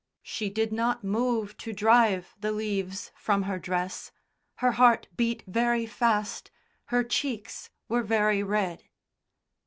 She did not move to drive the leaves from her dress; her heart beat very fast, her cheeks were very red.